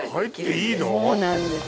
そうなんです